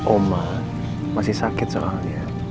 oma masih sakit soalnya